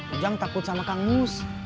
ujang takut sama kang mus